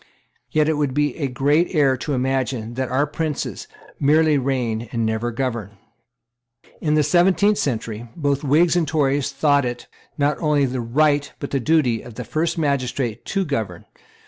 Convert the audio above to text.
Yet it would be a great error to imagine that our princes merely reign and never govern. In the seventeenth century, both Whigs and Tories thought it, not only the right, but the duty, of the first magistrate to govern.